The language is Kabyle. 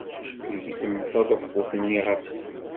Tegzem taḍeffut-nni ɣef sin.